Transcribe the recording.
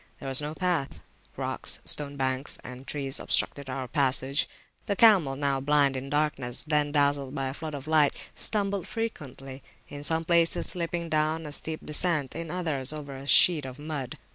There was no path. Rocks, stone banks, and trees obstructed our passage. The camels, now blind in darkness, then dazzled by a flood of light, stumbled frequently; in some places slipping down a steep descent, in others sliding over a sheet of mud.